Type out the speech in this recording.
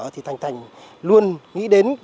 thành thành luôn nghĩ đến